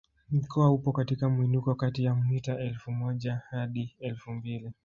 Mkoa upo katika mwinuko kati ya mita elfu moja hadi elfu mbili